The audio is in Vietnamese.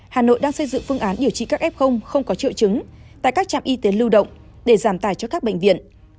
hà nội đang xây dựng phương án điều trị các f không có triệu chứng tại các trạm y tế lưu động để giảm tài cho các bệnh viện